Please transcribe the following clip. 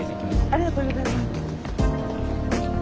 ありがとうございます。